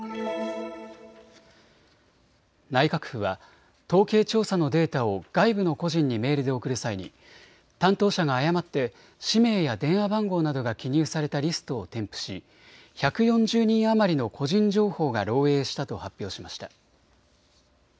内閣府は統計調査のデータを外部の個人にメールで送る際に担当者が誤って氏名や電話番号などが記入されたリストを添付し１４０人余りの個人情報が漏えいしたと発表しました。